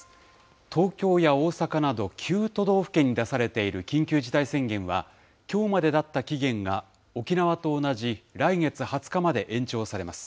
東京や大阪など９都道府県に出されている緊急事態宣言は、きょうまでだった期限が沖縄と同じ、来月２０日まで延長されます。